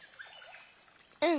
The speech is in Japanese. うん。